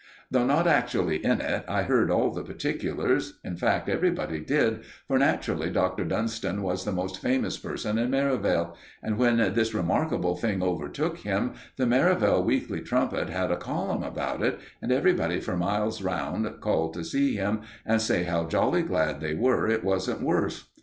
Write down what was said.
Though not actually in it, I heard all the particulars in fact, everybody did, for naturally Dr. Dunston was the most famous person in Merivale, and when this remarkable thing overtook him, The Merivale Weekly Trumpet had a column about it, and everybody for miles round called to see him and say how jolly glad they were it wasn't worse.